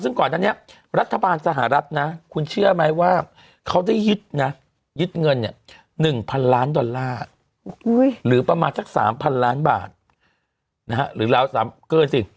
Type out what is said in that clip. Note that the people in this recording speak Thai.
ซึ่งก่อนนั้นเนี่ยรัฐบาลสหรัฐนะคุณเชื่อไหมว่าเขาได้ยึดนะยึดเงินเนี่ย๑๐๐ล้านดอลลาร์หรือประมาณสัก๓๐๐ล้านบาทหรือราวเกินสิ